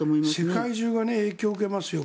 世界中が影響を受けますよ。